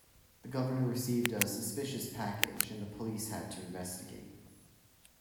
The governor received a suspicious package and the police had to investigate.